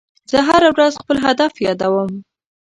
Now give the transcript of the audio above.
زه هره ورځ خپل هدف یادوم.